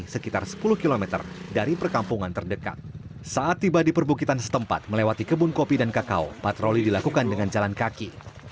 saat tiba di perbukitan setempat melewati kebun kopi dan kakao patroli dilakukan dengan jalan kaki